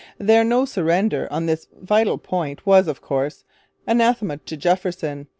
Their 'no surrender' on this vital point was, of course, anathema to Jefferson.